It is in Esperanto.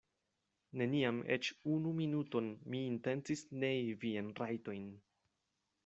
Neniam eĉ unu minuton mi intencis nei viajn rajtojn.